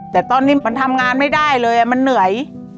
แต่ตอนนี้มันทำงานไม่ได้เลยมันเหนื่อย